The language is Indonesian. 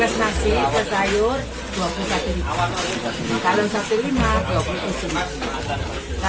satu satu dua tiga tiga tiga tiga